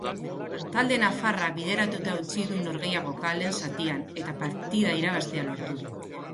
Talde nafarrak bideratuta utzi du norgehiagoka lehen zatian eta partida irabaztea lortu du.